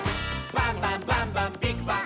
「バンバンバンバンビッグバン！」